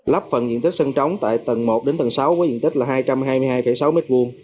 lắp phần diện tích sân trống tại tầng một đến tầng sáu với diện tích là hai trăm hai mươi hai sáu m hai